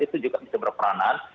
itu juga bisa berperanan